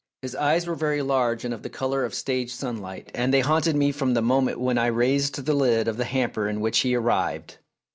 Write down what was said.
His eyes were very large and of the colour of stage sunlight, and they haunted me from the moment when I raised the lid of the hamper in which he arrived.